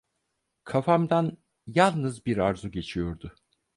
Kafamdan yalnız bir arzu geçiyordu.